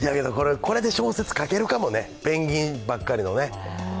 これで小説書けるかもね、ペンギンばっかりのね。